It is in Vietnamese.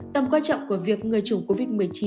tầm quan trọng của việc người chủng covid một mươi chín